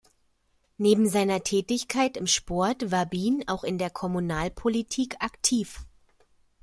Neben seiner Tätigkeit im Sport war Bien auch in der Kommunalpolitik aktiv.